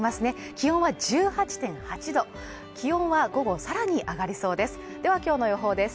気温は１８．８度、気温は午後さらに上がりそうですでは今日の予報です。